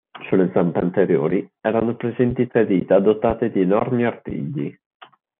Sulle zampe anteriori erano presenti tre dita dotate di enormi artigli.